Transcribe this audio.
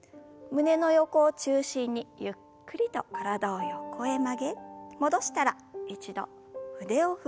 胸の横を中心にゆっくりと体を横へ曲げ戻したら一度腕を振る運動です。